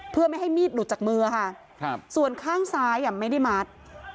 เพื่อไม่ให้มีดหลุดจากมือค่ะส่วนข้างซ้ายไม่ได้มัด